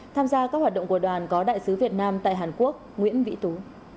tham gia các hoạt động của đoàn có đại sứ việt nam tại hàn quốc nguyễn vĩ tú